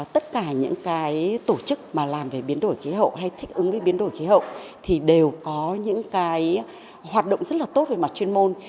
tất cả những cái tổ chức mà làm về biến đổi khí hậu hay thích ứng với biến đổi khí hậu thì đều có những cái hoạt động rất là tốt về mặt chuyên môn